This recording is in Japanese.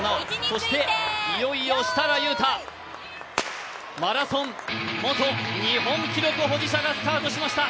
そしていよいよ設楽悠太、マラソン元日本記録保持者がスタートしました。